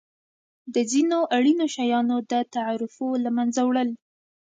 د ځینو اړینو شیانو د تعرفو له مینځه وړل.